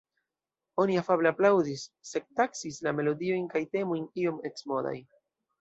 Oni afable aplaŭdis, sed taksis la melodiojn kaj temojn iom eksmodaj.